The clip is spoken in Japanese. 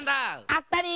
あったり！